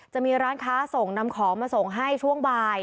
จะมีร้านค้าส่งนำของมาส่งให้ช่วงบ่าย